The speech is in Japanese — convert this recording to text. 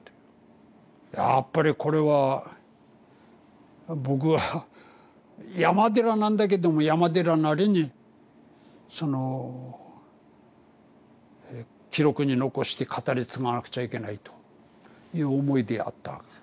やっぱりこれは僕は山寺なんだけども山寺なりにその記録に残して語り継がなくちゃいけないという思いでやったわけ。